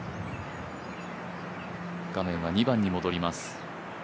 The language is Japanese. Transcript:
画面は２番に戻ります。